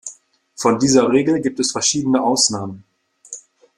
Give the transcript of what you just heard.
Von dieser Regel gibt es verschiedene Ausnahmen.